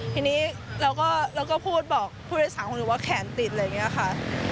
ทีนี้เราก็พูดบอกผู้โดยสารคนหนึ่งว่าแขนติดอะไรอย่างนี้ค่ะ